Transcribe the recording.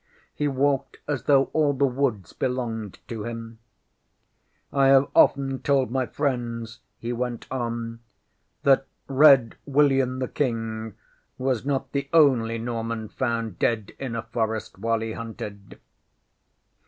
He walked as though all the woods belonged to him. ŌĆśI have often told my friends, ŌĆÖ he went on, ŌĆśthat Red William the King was not the only Norman found dead in a forest while he hunted.